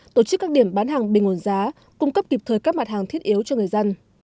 tổ chức các điểm bán hàng bình ổn giá cung cấp kịp thời các mặt hàng thiết yếu cho người dân